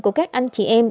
của các anh chị em